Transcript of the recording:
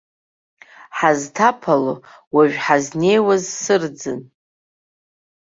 Ҳанҭаԥало уажә ҳазнеиуаз сырӡын.